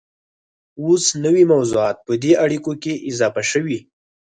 اوس نوي موضوعات په دې اړیکو کې اضافه شوي